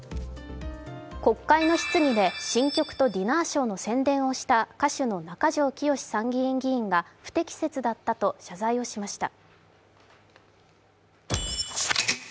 国会の質疑で新曲とディナーショーの宣伝をした歌手の中条きよし参議院議員が不適切だったと謝罪しました。